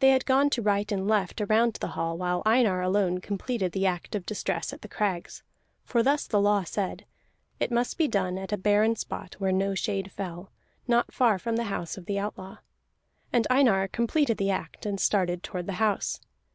They had gone to right and left around the hall, while Einar alone completed the act of distress at the crags; for thus the law said: it must be done at a barren spot where no shade fell, not far from the house of the outlaw. And Einar completed the act, and started toward the house.